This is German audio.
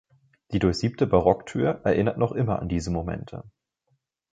Die durchsiebte Barocktür erinnert noch immer an diese Momente.